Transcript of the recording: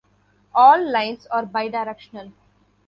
All lines are bi-directional.